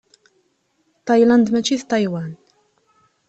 Ṭayland mačči d Ṭaywan.